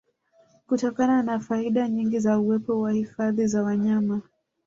Kutokana na faida nyingi za uwepo wa Hifadhi za wanyama